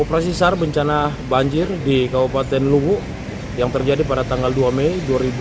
operasi sar bencana banjir di kabupaten luwuk yang terjadi pada tanggal dua mei dua ribu dua puluh